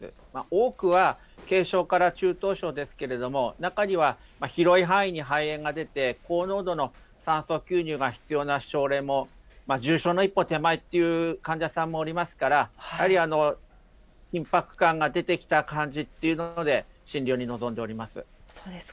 多くは、軽症から中等症ですけれども、中には広い範囲に肺炎が出て、高濃度の酸素吸入が必要な症例も、重症の一歩手前っていう患者さんもおりますから、やはり緊迫感が出てきた感じという中で診療に臨んでおります。